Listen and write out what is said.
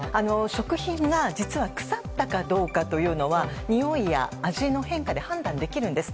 食品が実は腐ったかどうかというのはにおいや味の変化で判断できるんです。